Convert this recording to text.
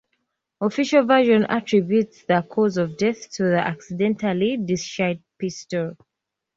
Official version attributes the cause of death to the accidentally discharged pistol.